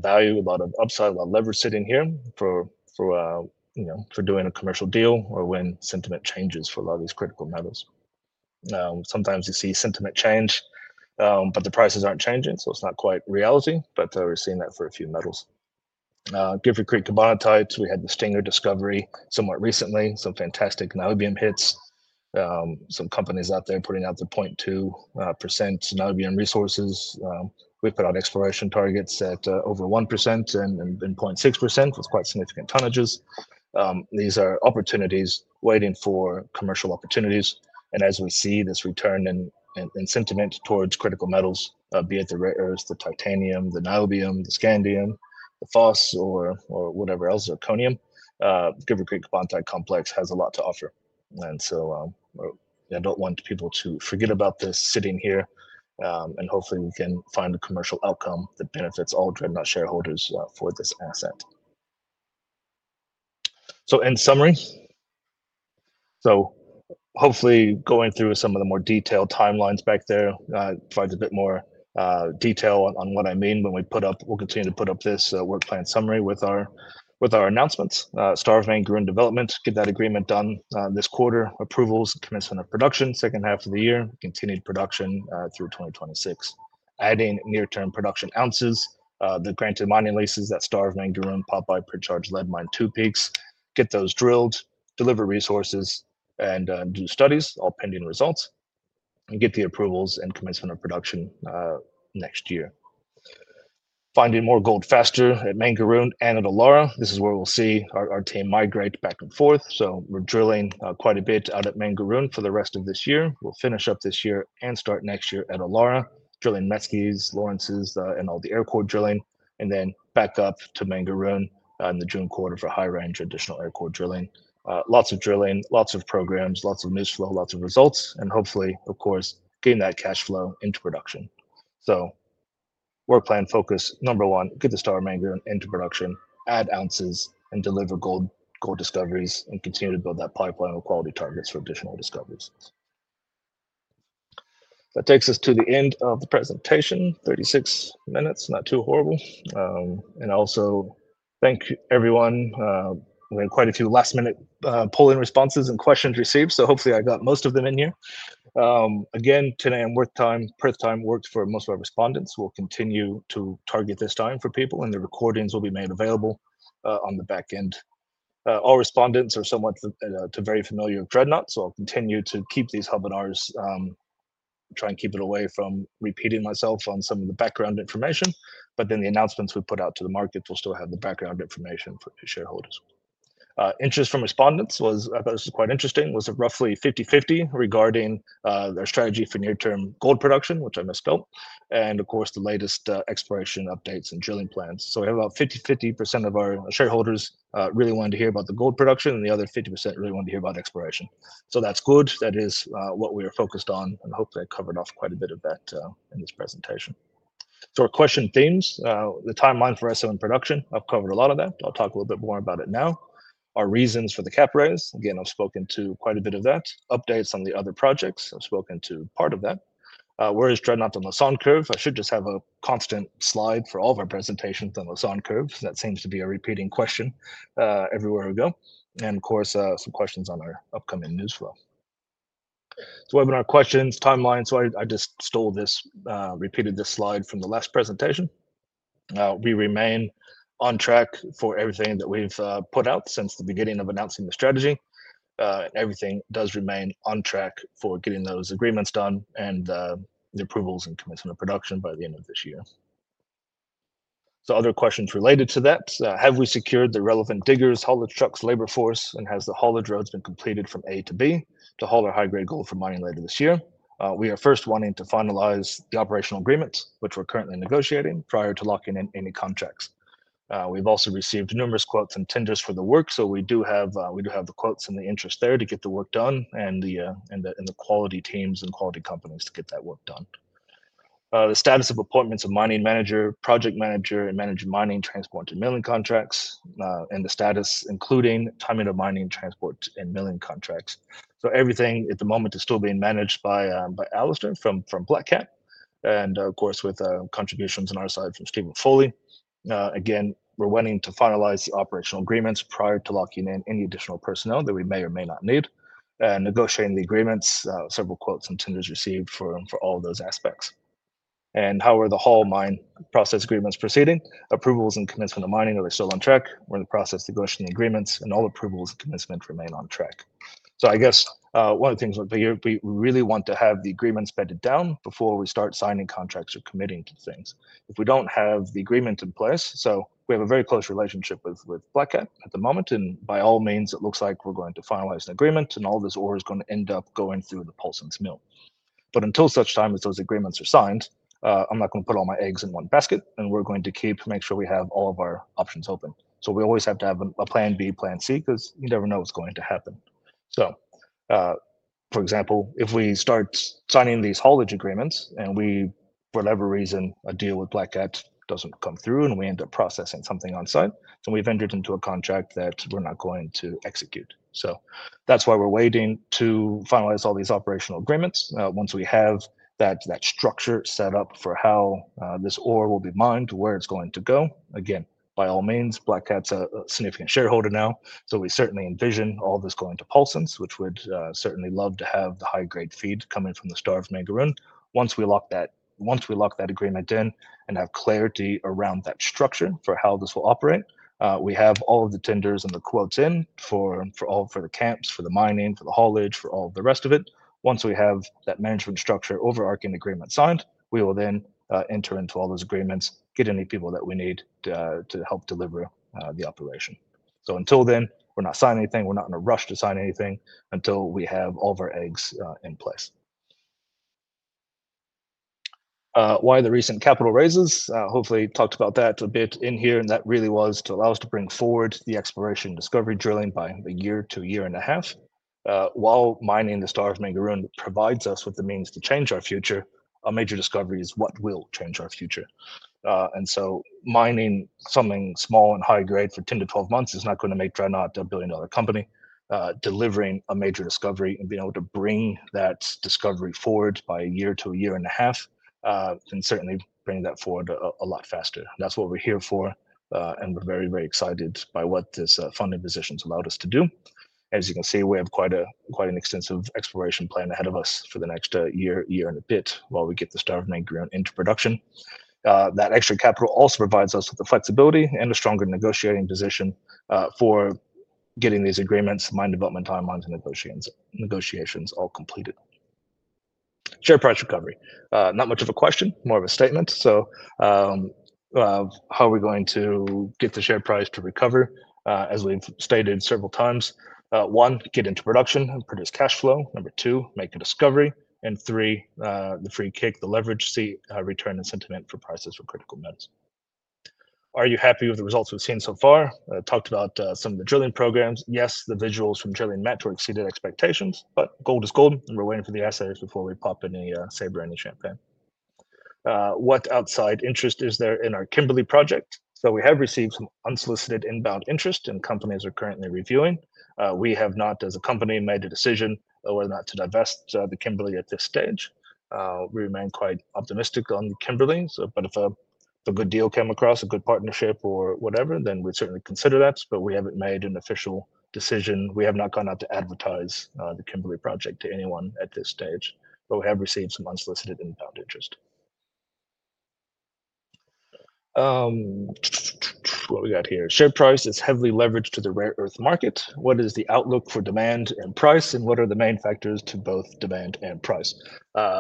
value, a lot of upside, a lot of leverage sitting here for doing a commercial deal or when sentiment changes for a lot of these critical metals, sometimes you see sentiment change but the prices aren't changing. It's not quite reality. We're seeing that for a few metals. Gifford Creek Carbonatite Complex, we had the Stinger discovery somewhat recently. Some fantastic niobium hits, some companies out there putting out the 0.2% niobium resources. We put out exploration targets at over 1% and 0.6% with quite significant tonnages. These are opportunities waiting for commercial opportunities. As we see this return in sentiment towards critical metals, be it the rare earth, the titanium, the niobium, the scandium, the phosphate or whatever else, zirconium, Gifford Creek Carbonatite Complex has a lot to offer and I do not want people to forget about this sitting here and hopefully we can find a commercial outcome that benefits all Dreadnought shareholders for this asset. In summary, hopefully going through some of the more detailed timelines back there finds a bit more detail on what I mean when we put up, we'll continue to put up this work plan summary with our announcements. Star of Mangaroon development, get that agreement done this quarter, approvals, commencement of production second half of the year, continued production through 2026 adding near-term production ounces. The granted mining leases at Star of Mangaroon, Popeye, Perchards Well, Lead Mine, Two Peaks, get those drilled, deliver resources and do studies all pending results, and get the approvals and commencement of production next year. Finding more gold faster at Mangaroon and at Alara. This is where we'll see our team migrate back and forth. We're drilling quite a bit out at Mangaroon for the rest of this year. We'll finish up this year and start next year at Alara drilling Metzki's, Lawrences, and all the air core drilling, and then back up to Mangaroon in the June quarter for High Range additional air core drilling. Lots of drilling, lots of programs, lots of news flow, lots of results, and hopefully of course getting that cash flow into production. Work plan focus number one: get the Star of Mangaroon into production, add ounces, and deliver gold discoveries, and continue to build that pipeline of quality targets for additional discoveries. That takes us to the end of the presentation. Thirty-six minutes, not too horrible, and also thank everyone. We had quite a few last minute polling responses and questions received, so hopefully I got most of them in here. Again, 10:00 A.M. Perth time worked for most of our respondents. We'll continue to target this time for people and the recordings will be made available on the back end. All respondents are somewhat or very familiar with Dreadnought, so I'll continue to keep these hubinars, try and keep it away from repeating myself on some of the background information. The announcements we put out to the market will still have the background information. Shareholders' interest from respondents was, I thought this was quite interesting, was roughly 50-50 regarding their strategy for near-term gold production, which I misspelled, and of course the latest exploration updates and drilling plans. We have about 50%, 50% of our shareholders really want to hear about the gold production and the other 50% really want to hear about exploration. That is good. That is what we are focused on and hopefully I covered off quite a bit of that in this presentation. Our question themes, the timeline for in production. I've covered a lot of that. I'll talk a little bit more about it now. Our reasons for the cap raise. Again, I've spoken to quite a bit of that. Updates on the other projects. I've spoken to part of that. Where is Dreadnought on the Lassonde Curve? I should just have a constant slide for all of our presentations on the Lassonde Curve. That seems to be a repeating question everywhere we go, and of course some questions on our upcoming news flow. Webinar questions timeline. I just stole this, repeated this slide from the last presentation. We remain on track for everything that we've put out since the beginning of announcing the strategy. Everything does remain on track for getting those agreements done and the approvals and commencement of production by the end of this year. Other questions related to that: have we secured the relevant diggers, haulage trucks, labor force, and has the haulage roads been completed from A to B to haul our high-grade gold for mining later this year? We are first wanting to finalize the operational agreements, which we're currently negotiating, prior to locking in any contracts. We've also received numerous quotes and tenders for the work. We do have the quotes and the interest there to get the work done and the quality teams and quality companies to get that work done. The status of appointments of Mining Manager, Project Manager, and manage mining transport and milling contracts, and the status including timing of mining transport and milling contracts. Everything at the moment is still being managed by Alistair from Black Cat and of course with contributions on our side from Stephen Foley. Again, we're wanting to finalize the operational agreements prior to locking in any additional personnel that we may or may not need and negotiating the agreements, several quotes and tenders received for all those aspects. How are the haul mine process agreements, proceeding approvals and commencement of mining, are they still on track? We're in the process negotiating agreements and all approvals commencement remain on track. I guess one of the things we really want is to have the agreements bedded down before we start signing contracts or committing to things if we don't have the agreement in place. We have a very close relationship with Black Cat at the moment and by all means it looks like we're going to finalize an agreement and all this ore is going to end up going through the Paulsens mill. Until such time as those agreements are signed, I'm not going to put all my eggs in one basket and we're going to keep making sure we have all of our options open. We always have to have a plan B, plan C because you never know what's going to happen. For example, if we start signing these haulage agreements and we, for whatever reason, a deal with Black Cat doesn't come through and we end up processing something on site, we've entered into a contract that we're not going to execute. That's why we're waiting to finalize all these operational agreements. Once we have that structure set up for how this ore will be mined, where it's going to go, again by all means Black Cat's a significant shareholder now so we certainly envision all this going to Paulsens, which would certainly love to have the high grade feed coming from the Star of Mangaroon. Once we lock that agreement in and have clarity around that structure for how this will operate, we have all of the tenders and the quotes in for the camps, for the mining, for the haulage, for all the rest of it. Once we have that management structure overarching agreement signed, we will then enter into all those agreements, get any people that we need to help deliver the operation. Until then we're not signing anything, we're not in a rush to sign anything until we have all of our eggs in place. Why the recent capital raises? Hopefully talked about that a bit in here and that really was to allow us to bring forward the exploration discovery, drilling by a year to a year and a half. While mining the Star of Mangaroon provides us with the means to change our future. A major discovery is what will change our future. Mining something small and high grade for 10-12 months is not going to make Dreadnought a billion dollar company. Delivering a major discovery and being able to bring that discovery forward by a year to a year and a half can certainly bring that forward a lot faster. That's what we're here for and we're very, very excited by what this funding position has allowed us to do. As you can see, we have quite an extensive exploration plan ahead of us for the next year, year and a bit. While we get the Star of Mangaroon into production, that extra capital also provides us with the flexibility and a stronger negotiating position for getting these agreements, mine development timelines and negotiations all completed. Share price recovery. Not much of a question, more of a statement. How are we going to get the share price to recover? As we've stated several times, one, get into production and produce cash flow, number two, make a discovery. And three, the free kick, the leverage seat return and sentiment for prices for critical metals. Are you happy with the results we've seen so far? Talked about some of the drilling programs. Yes, the visuals from drilling met or exceeded expectations. But gold is gold and we're waiting for the assays before we pop any saber any champagne. What outside interest is there in our Kimberley project? So we have received some unsolicited inbound interest and companies are currently reviewing. We have not as a company made a decision whether or not to divest the Kimberley at this stage. We remain quite optimistic on the Kimberley, but if a good deal came across, a good partnership or whatever, then we certainly consider that. But we haven't made an official decision. We have not gone out to advertise the Kimberley project to anyone at this stage. But we have received some unsolicited inbound interest. What we got here, share price is heavily leveraged to the rare earth market. What is the outlook for demand and price and what are the main factors to both demand and price?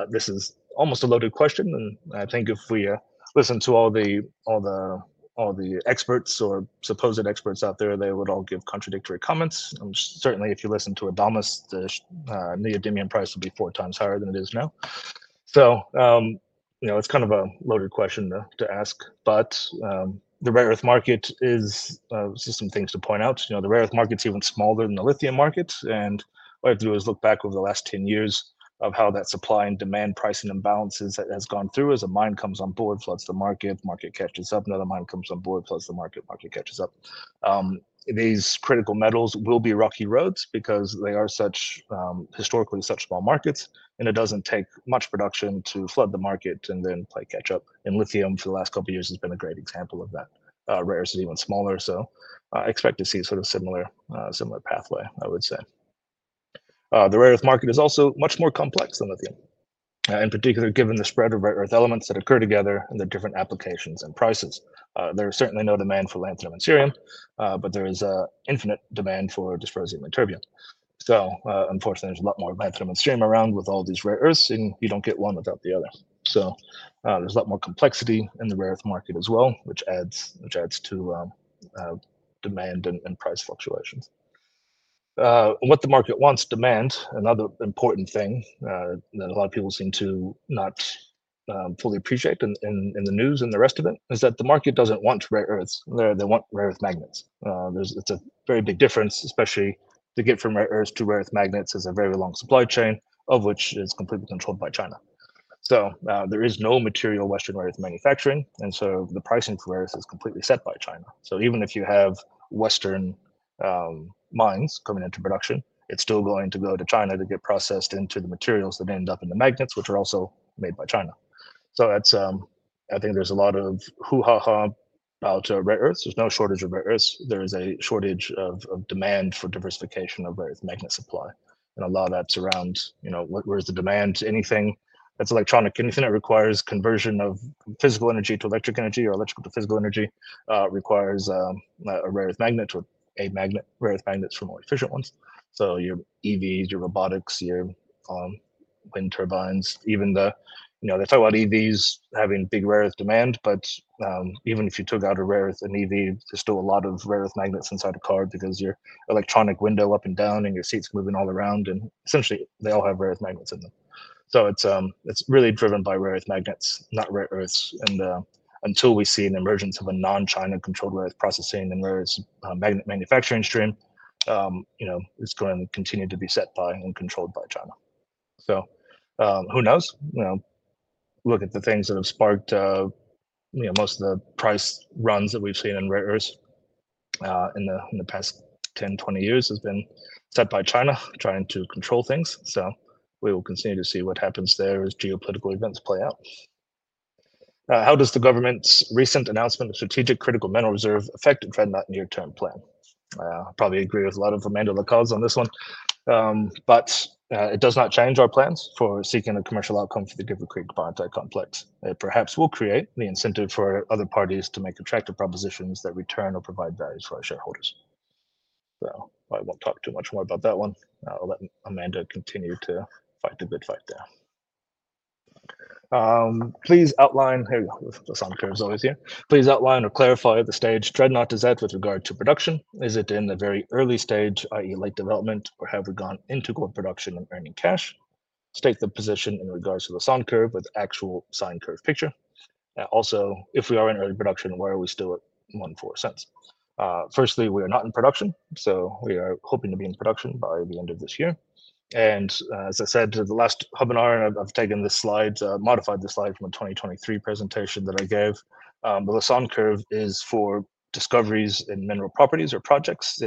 This is almost a loaded question and I think if we listen to all the experts or supposed experts out there, they would all give contradictory comments. Certainly if you listen to Adamus, the neodymium price would be four times higher than it is now. You know, it's kind of a loaded question to ask. The rare earth market is just some things to point out. You know, the rare earth market's even smaller than the lithium markets. What I have to do is look back over the last 10 years of how that supply and demand pricing imbalances has gone through as a mine comes on board, floods the market, market catches up, another mine comes on board, plus the market catches up. These critical metals will be rocky roads because they are historically such small markets. It does not take much production to flood the market and then play catch up. Lithium for the last couple years has been a great example of that. Rare earths are even smaller. I expect to see sort of a similar pathway. I would say the rare earth market is also much more complex than lithium, in particular given the spread of rare earth elements that occur together and the different applications and prices. There are certainly no demand for lanthanum and cerium, but there is infinite demand for dysprosium and terbium. Unfortunately, there is a lot more stream around with all these rare earths and you do not get one without the other. There is a lot more complexity in the rare earth market as well, which adds to demand and price fluctuations. What the market wants is demand. Another important thing that a lot of people seem to not fully appreciate in the news and the rest of it is that the market does not want rare earths, they want rare earth magnets. It is a very big difference, especially to get from rare earth to rare earth magnets is a very long supply chain which is completely controlled by China. There is no material western rare earth manufacturing, and the pricing for earth is completely set by China. Even if you have western mines coming into production, it's still going to go to China to get processed into the materials that end up in the magnets, which are also made by China. I think there's a lot of hoo ha ha about rare earths. There's no shortage of rare earths. There is a shortage of demand for diversification of magnet supply and a lot of that surrounds, you know, where's the demand. Anything that's electronic, anything that requires conversion of physical energy to electric energy or electrical to physical energy requires a rare earth magnet or a magnet, rare earth magnets for more efficient ones. Your EVs, your robotics, your wind turbines, even the, you know, they talk about EVs having big rare earth demand. Even if you took out a rare earth and EV, there is still a lot of rare earth magnets inside a car because your electronic window up and down and your seats moving all around, and essentially they all have rare earth magnets in them. It is really driven by rare earth magnets, not rare earths. Until we see an emergence of a non-China-controlled rare earth processing and rare magnet manufacturing stream, you know, it is going to continue to be set by and controlled by China, so who knows? Look at the things that have sparked most of the price runs that we have seen in rare earths in the past 10-20 years. It has been set by China trying to control things. We will continue to see what happens there as geopolitical events play out. How does the government's recent announcement of strategic critical Mineral Reserve affect Dreadnought near term plan? I probably agree with a lot of Amanda Lacaze on this one, but it does not change our plans for seeking a commercial outcome for the Gifford Creek carbonatite complex. It perhaps will create the incentive for other parties to make attractive propositions that return or provide value for our shareholders. I won't talk too much more about that one. I'll let Amanda continue to fight the good fight there. Please outline here. The Lassonde Curve is always here. Please outline or clarify the stage Dreadnought is at with regard to production. Is it in the very early stage, that is late development, or have we gone into core production and earning cash? State the position in regards to the Lassonde Curve with actual sine curve picture. Also, if we are in early production, why are we still at 0.014? Firstly, we are not in production, so we are hoping to be in production by the end of this year. As I said the last webinar and I have taken this slide, modified the slide from the 2023 presentation that I gave. The Lassonde curve is for discoveries in mineral properties or projects.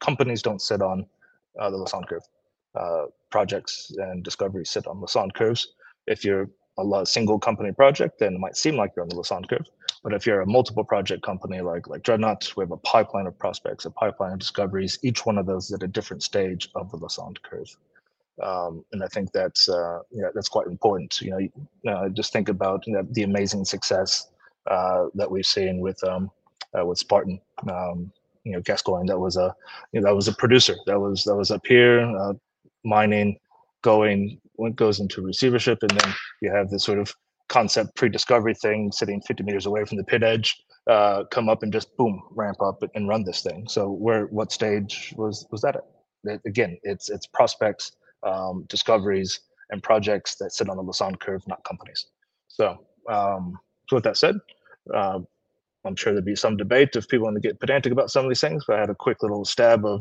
Companies do not sit on the Lassonde curve. Projects and discoveries sit on Lassonde curves. If you are a single company project then it might seem like you are on the Lassonde curve. If you are a multiple project company like Dreadnought, we have a pipeline of prospects, a pipeline of discoveries. Each one of those is at a different stage of the Lassonde curve and I think that is quite important. Just think about the amazing success that we have seen with Spartan Gascoigne. That was a producer that was up here. Mining goes into receivership and then you have this sort of concept pre-discovery thing sitting 50 meters away from the pit edge, come up and just boom, ramp up and run this thing. What stage was that? Again, it's prospects, discoveries, and projects that sit on the Lassonde curve, not companies. With that said, I'm sure there'd be some debate if people want to get pedantic about some of these things. I had a quick little stab at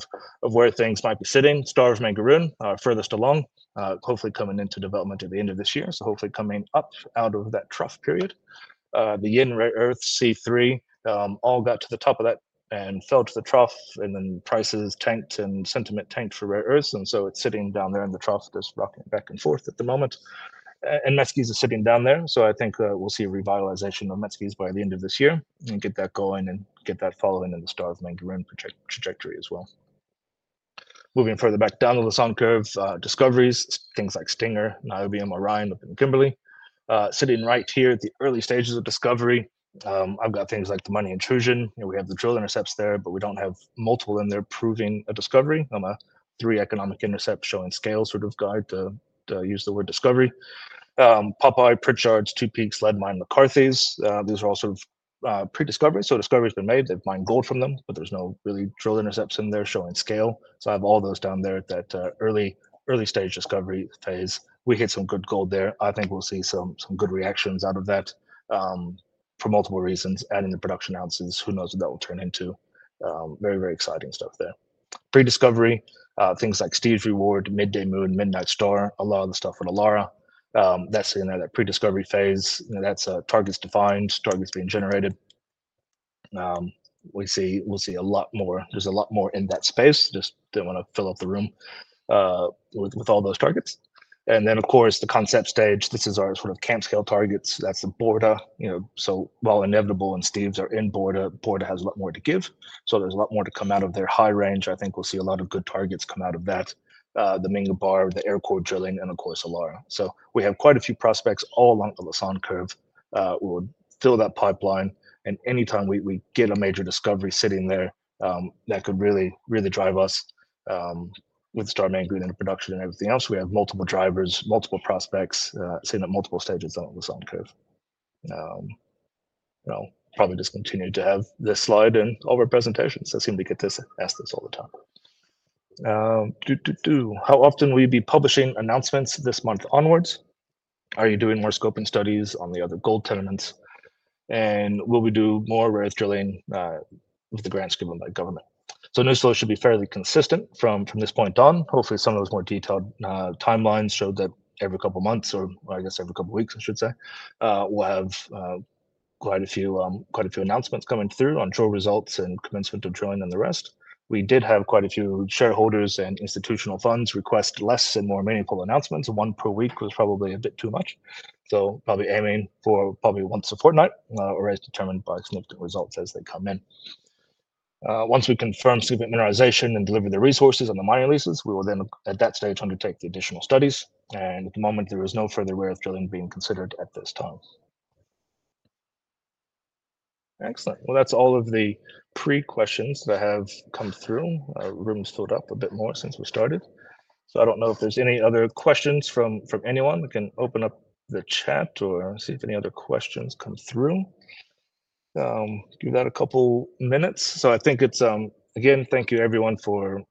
where things might be sitting. Star of Mangaroon furthest along. Hopefully coming into development at the end of this year. Hopefully coming up out of that trough period, the yin rare earth C3 all got to the top of that and fell to the trough. Then prices tanked and sentiment tanked for rare earths. It's sitting down there in the trough, just rocking back and forth at the moment, and Mesquis is sitting down there. I think we'll see a revitalization of Mesquis by the end of this year and get that going and get that following in the Star of Mangaroon trajectory as well. Moving further back down the Lassonde curve discoveries, things like Stinger, niobium, Orion, Kimberley sitting right here at the early stages of discovery. I've got things like the Monya Intrusion. We have the drill intercepts there, but we don't have multiple in there proving a discovery. I'm a three economic intercept showing scale sort of guide to use the word discovery. Popeye, Perchards, Two Peaks, Lead Mine, McCarthy's. These are all sort of pre-discovery. So discovery's been made, they've mined gold from them, but there's no really drill intercepts in there showing scale. I have all those down there. At that early, early stage discovery phase we hit some good gold there. I think we'll see some good reactions out of that for multiple reasons. Adding the production ounces, who knows what that will turn into. Very, very exciting stuff there. Pre discovery things like Steve's Reward, Midday Moon, Midnight Star. A lot of the stuff with Alara that's in there. That pre discovery phase, that's targets defined, targets being generated. We'll see a lot more. There's a lot more in that space. Just didn't want to fill up the room with all those targets. Of course, the concept stage. This is our sort of camp scale targets. That's the Borda, you know. While Inevitable and Steve's are in Borda, Borda has a lot more to give. There's a lot more to come out of their High Range. I think we'll see a lot of good targets come out of that. The Minga bar, the air core drilling, and of course Alara. We have quite a few prospects all along the Lassonde Curve. We'll fill that pipeline, and anytime we get a major discovery sitting there, that could really, really drive us with Star of Mangaroon and production and everything else. We have multiple drivers, multiple prospects sitting at multiple stages on the Lassonde Curve, probably just continue to have this slide. In all of our presentations, I seem to get asked this all the time. How often will you be publishing announcements this month onwards? Are you doing more scoping studies on the other gold tenements, and will we do more rare drilling? The grants given by government, so newsload should be fairly consistent from this point on. Hopefully some of those more detailed timelines showed that every couple months, or I guess every couple weeks I should say, we'll have quite a few announcements coming through on drill results and commencement of drilling and the rest. We did have quite a few shareholders and institutional funds request less and more meaningful announcements. One per week was probably a bit too much. So probably aiming for probably once a fortnight or as determined by significant results as they come in. Once we confirm significant mineralization and deliver the resources on the mining leases, we will then at that stage undertake the additional studies. At the moment there is no further rare earth drilling being considered at this time. Excellent. That is all of the pre questions that have come through. Rooms filled up a bit more since we started, so I do not know if there are any other questions from anyone. We can open up the chat or see if any other questions come through. Give that a couple minutes. I think it is again thank you everyone for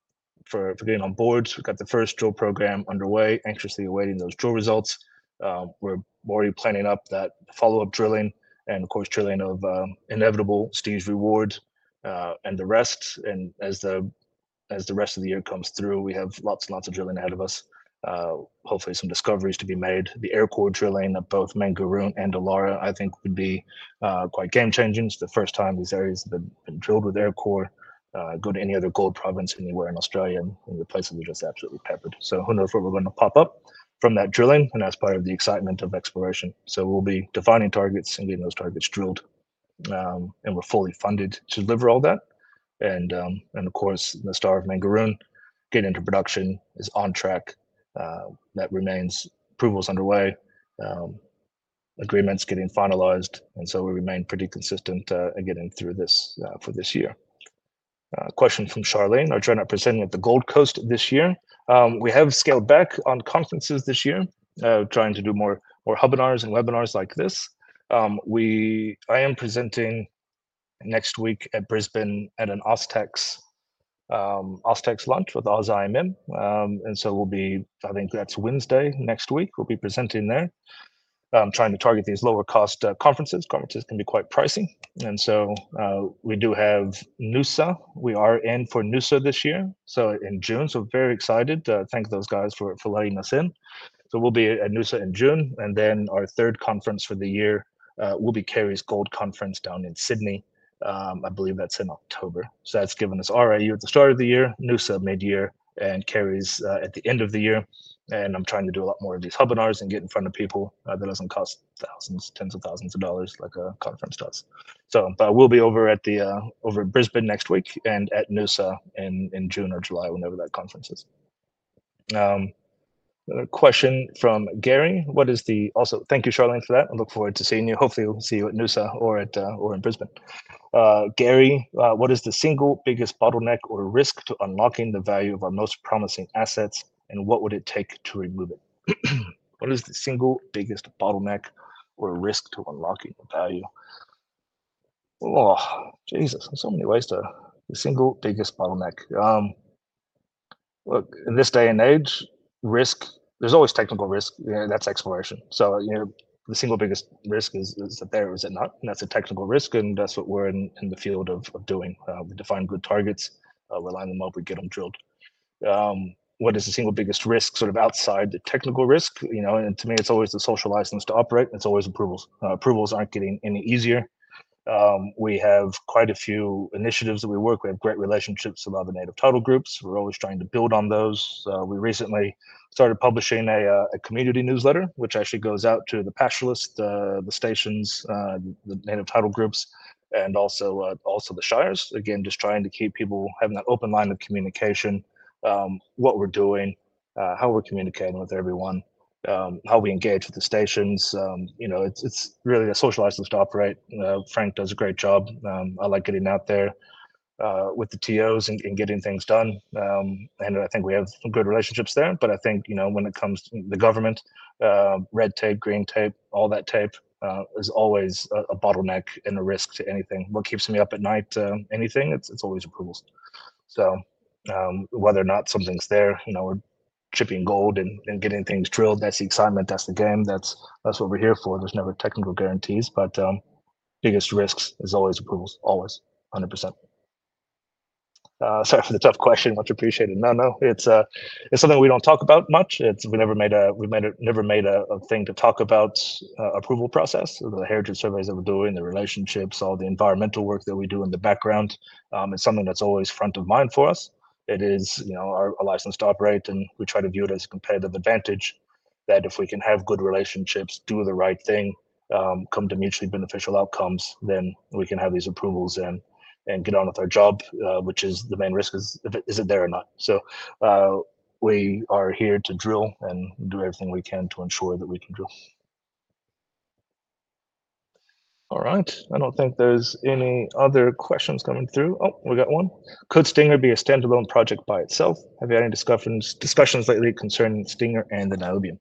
getting on board. We got the first drill program underway. Anxiously awaiting those drill results. We are already planning up that follow up drilling and of course drilling of inevitable Steve's Reward and the rest. As the rest of the year comes through, we have lots and lots of drilling ahead of us. Hopefully some discoveries to be made. The air core drilling of both Mangaroon and Alara I think would be quite game changing. It is the first time these are drilled with air core. Go to any other gold province anywhere in Australia and the places are just absolutely peppered. Who knows what we are going to pop up from that drilling and that is part of the excitement of exploration. We will be defining targets and getting those targets drilled and we are fully funded to deliver all that. Of course, the Star of Mangaroon getting into production is on track, that remains. Approvals are underway, agreements getting finalized, and we remain pretty consistent getting through this for this year. Question from Charlene, our journey up presenting at the Gold Coast this year. We have scaled back on conferences this year, trying to do more hubinars and webinars like this. I am presenting next week at Brisbane at an AusIMM launch with OZIMM. I think that is Wednesday next week we will be presenting there. Trying to target these lower cost conferences. Conferences can be quite pricey and we do have Noosa. We are in for Noosa this year, so in June. Very excited. Thank those guys for letting us in. We will be at Noosa in June and then our third conference for the year will be Kerry's Gold Conference down in Sydney. I believe that is in October. That has given us RIU at the start of the year, Noosa mid year, and Kerry's at the end of the year. I am trying to do a lot more of these Hubinars and get in front of people that does not cost thousands, tens of thousands of dollars like a conference does. We will be over at Brisbane next week and at Noosa in June or July whenever that conference is. Question from Gary. What is the also? Thank you, Charlene, for that. I look forward to seeing you. Hopefully we will see you at Noosa or in Brisbane. Gary, what is the single biggest bottleneck or risk to unlocking the value of our most promising assets? And what would it take to remove it? What is the single biggest bottleneck or risk to unlocking value? Oh Jesus. So many ways to the single biggest bottleneck. Look, in this day and age, risk, there's always technical risk. That's exploration. The single biggest risk is that there, is it not? That's a technical risk. That's what we're in the field of doing to find good targets. We line them up, we get them drilled. What is the single biggest risk, sort of outside the technical risk, you know. To me it's always the social license to operate. It's always approvals. Approvals aren't getting any easier. We have quite a few initiatives that we work. We have great relationships with other native title groups. We're always trying to build on those. We recently started publishing a community newsletter which actually goes out to the pastoralists, the stations, the native title groups, and also the shires. Again, just trying to keep people having that open line of communication. What we're doing, how we're communicating with everyone, how we engage with the stations. You know, it's really a social island to operate. Frank does a great job. I like getting out there with the TOs and getting things done and I think we have some good relationships there. I think, you know, when it comes to the government red tape, green tape, all that tape is always a bottleneck and a risk to anything. What keeps me up at night, anything. It's always approvals. Whether or not something's there, you know, we're chipping gold and getting things drilled. That's the excitement. That's the game. That's what we're here for. There's never technical guarantees, but biggest risk is always approvals. Always 100%. Sorry for the tough question. Much appreciated. No, no, it's something we don't talk about much. We never made a thing to talk about. Approval process, the heritage surveys that we're doing, the relationships, all the environmental work that we do in the background, it's something that's always front of mind for us. It is, you know, our license to operate. We try to view it as a competitive advantage that if we can have good relationships, do the right thing, come to mutually beneficial outcomes, then we can have these approvals and get on with our job. Which is the main risk. Is it there or not? We are here to drill and do everything we can to ensure that we can drill. All right. I do not think there are any other questions coming through. Oh, we got one. Could Stinger be a standalone project by itself? Have you had any discussions lately concerning Stinger and the niobium?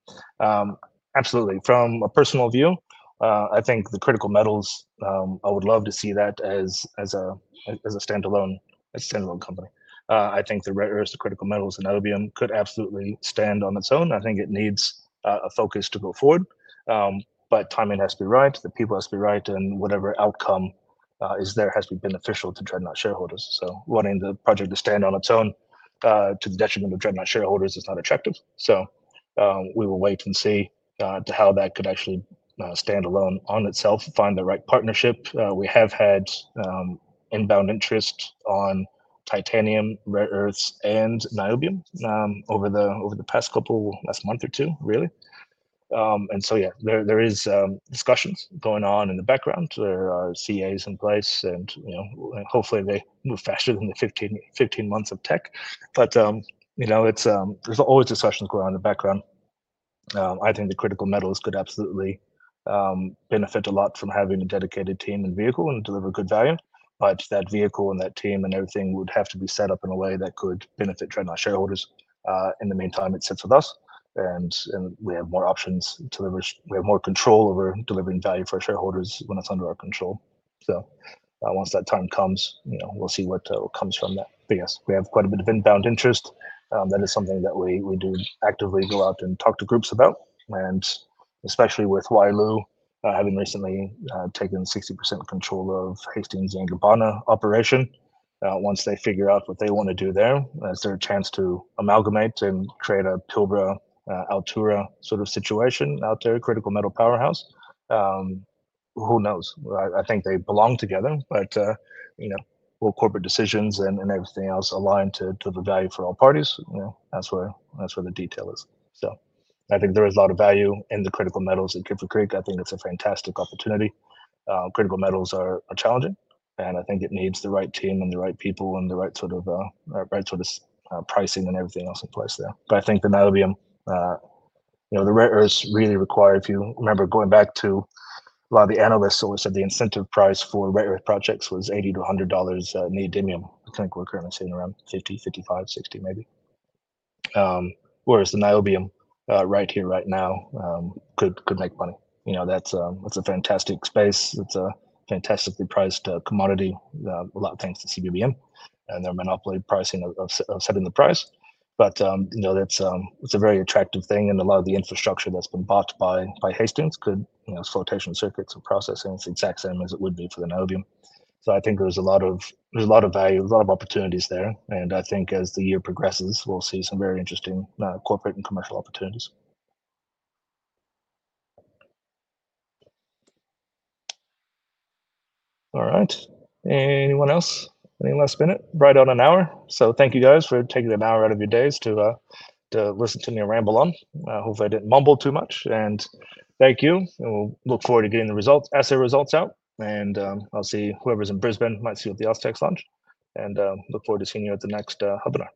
Absolutely. From a personal view, I think the critical metals, I would love to see that as a standalone company. I think the rare earths, the critical metals, and niobium could absolutely stand on its own. I think it needs a focus to go forward, but timing has to be right, the people have to be right, and whatever outcome is there has to be beneficial to Dreadnought shareholders. Wanting the project to stand on its own to the detriment of Dreadnought shareholders is not attractive. We will wait and see how that could actually stand alone on itself, find the right partnership. We have had inbound interest on titanium, rare earths, and niobium over the past couple, last month or two, really. There are discussions going on in the background. There are CAs in place, and hopefully they move faster than the 15 months of Teck. There are always discussions going on in the background. I think the Critical Metals could absolutely benefit a lot from having a dedicated team and vehicle and deliver good value. That vehicle and that team and everything would have to be set up in a way that could benefit Dreadnought shareholders. In the meantime, it sits with us and we have more options. We have more control over delivering value for our shareholders when it is under our control. Once that time comes, we'll see what comes from that. Yes, we have quite a bit of inbound interest. That is something that we do actively go out and talk to groups about. Especially with WAILU having recently taken 60% control of Hastings and Gabbana operation, once they figure out what they want to do there, is there a chance to amalgamate and create a Pilbara Altura sort of situation out there? Critical metal powerhouse, who knows? I think they belong together. You know, will corporate decisions and everything else align to the value for all parties? That's where the detail is. I think there is a lot of value in the critical metals at Kiffre Creek. I think it's a fantastic opportunity. Critical metals are challenging and I think it needs the right team and the right people and the right sort of pricing and everything else in place there. I think the niobium, you know, the rare earths really required, if you remember going back to a lot of the analysts always said the incentive price for rare earth projects was 80-100 dollars. Neodymium, I think we're currently sitting around 50, 55, 60 maybe. Whereas the niobium right here, right now could make money. That's a fantastic space. It's a fantastically priced commodity. A lot of things to CBBM and their monopoly pricing of setting the price, but you know, that's. It's a very attractive thing. A lot of the infrastructure that's been bought by Hastings could flotation circuits and processing. It's the exact same as it would be for the niobium. I think there's a lot of value, a lot of opportunities there. I think as the year progresses, we'll see some very interesting corporate and commercial opportunities. All right, anyone else? Any last minute? Right on an hour. Thank you guys for taking an hour out of your days to listen to me ramble on. Hopefully I didn't mumble too much and thank you. We'll look forward to getting the assay results out and I'll see whoever's in Brisbane, might see you at the AusTecs launch, and look forward to seeing you at the next Hubinar.